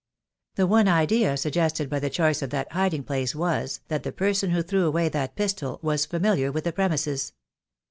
The one idea suggested by the choice of that hiding place was that the person who threw away that pistol was familiar with the premises.